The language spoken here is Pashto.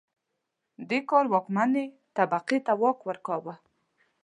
دې کار واکمنې طبقې ته واک ورکاوه